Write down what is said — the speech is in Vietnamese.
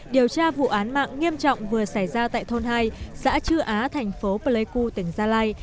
điều tra vụ án mạng nghiêm trọng vừa xảy ra tại thôn hai xã chư á thành phố pleiku tỉnh gia lai